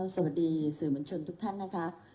สวัสดีสื่อมวลชนทุกท่านนะคะ